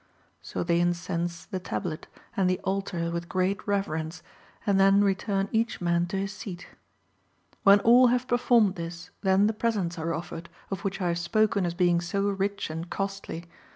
So they incense the tablet and the altar with great reverence, and then return each man to his seat/ When all have performed this, then the presents are offered, of which I have spoken as being so rich and cosdy.